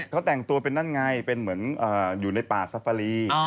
เขาแต่งตัวเป็นนั่นไงเป็นเหมือนอยู่ในป่าซาฟารี